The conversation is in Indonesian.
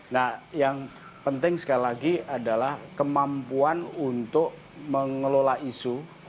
nah yang penting sekali lagi adalah kemampuan untuk mengelola isu